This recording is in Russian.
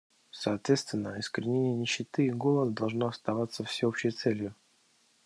Соответственно, искоренение нищеты и голода должно оставаться всеобщей целью.